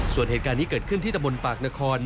ส่วนเหตุการณ์นี้เกิดขึ้นที่ตะบนปากนคร